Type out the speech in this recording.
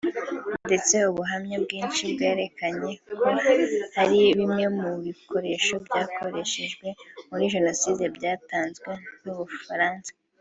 ndetse ubuhamya bwinshi bwerekana ko hari bimwe mu bikoresho byakoreshejwe muri Jenoside byatanzwe n’u Bufaransa